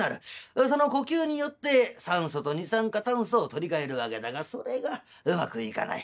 その呼吸によって酸素と二酸化炭素を取り替えるわけだがそれがうまくいかない。